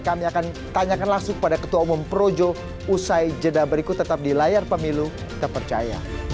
kami akan tanyakan langsung pada ketua umum projo usai jeda berikut tetap di layar pemilu terpercaya